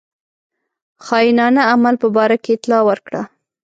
خاینانه عمل په باره کې اطلاع ورکړه.